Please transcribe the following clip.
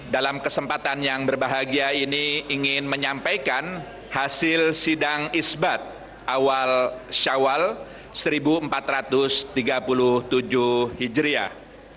dalam kesempatan yang berbahagia ini ingin menyampaikan hasil sidang isbat awal syawal seribu empat ratus tiga puluh tujuh hijriah